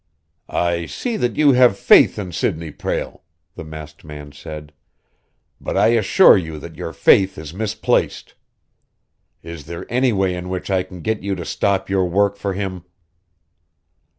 "I see that you have faith in Sidney Prale," the masked man said. "But I assure you that your faith is misplaced. Is there any way in which I can get you to stop your work for him?"